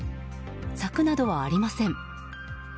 柵などはありません。